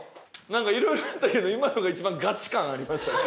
なんかいろいろやったけど今のが一番ガチ感ありましたね。